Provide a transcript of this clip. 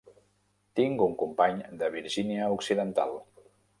Tinc un company de Virgínia Occidental.